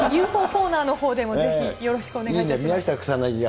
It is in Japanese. ＵＦＯコーナーのほうでもぜひ、よろしくお願いいたします。